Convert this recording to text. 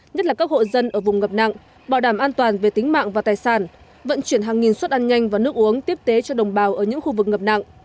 nhất là các hộ dân ở vùng ngập nặng bảo đảm an toàn về tính mạng và tài sản vận chuyển hàng nghìn suất ăn nhanh và nước uống tiếp tế cho đồng bào ở những khu vực ngập nặng